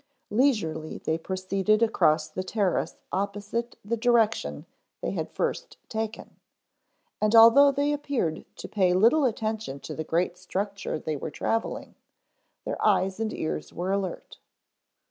Leisurely they proceeded across the terrace opposite the direction they had first taken, and although they appeared to pay little attention to the great structure they were traveling, their eyes and ears were alert.